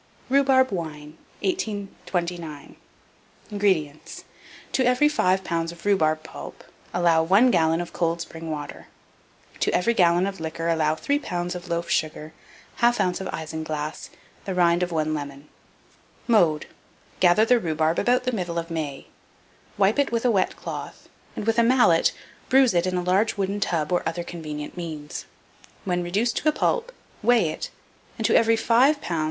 RHUBARB WINE. 1829. INGREDIENTS. To every 5 lbs. of rhubarb pulp allow 1 gallon of cold spring water; to every gallon of liquor allow 3 lbs. of loaf sugar, 1/2 oz. of isinglass, the rind of 1 lemon. Mode. Gather the rhubarb about the middle of May; wipe it with a wet cloth, and, with a mallet, bruise it in a large wooden tub or other convenient means. When reduced to a pulp, weigh it, and to every 5 lbs.